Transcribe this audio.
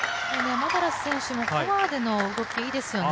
マダラス選手もフォアでの動き、いいですよね。